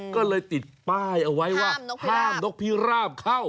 ก็เลยติดป้ายเอาไว้ว่าห้ามนกพิราบเข้า